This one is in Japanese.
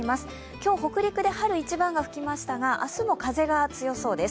今日、北陸で春一番が吹きましたが明日も風が強そうです。